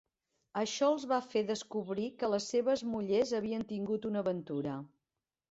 Això els va fer descobrir que les seves mullers havien tingut una aventura.